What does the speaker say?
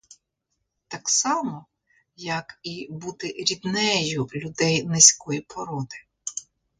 Так само, як і бути ріднею людей низької породи.